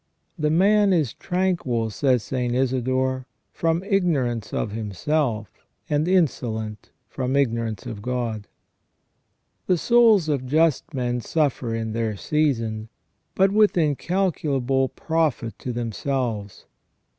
" The man is tranquil," says St. Isidore, " from ignorance of himself, and insolent from ignorance of God." The souls of just men suffer in their season, but with in calculable profit to themselves.